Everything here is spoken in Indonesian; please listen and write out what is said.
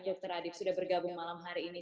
dokter adit sudah bergabung malam hari ini